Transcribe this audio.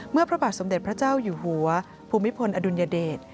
พระบาทสมเด็จพระเจ้าอยู่หัวภูมิพลอดุลยเดช